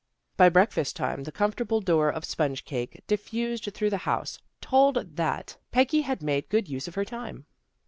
By breakfast time the comfortable odor of sponge cake diffused through the house, told that Peggy had made good use of her tune.